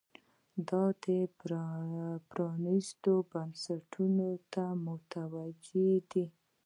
دا پرانیستو بنسټونو ته متوجې دي.